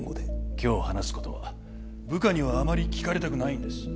今日話すことは部下にはあまり聞かれたくないんです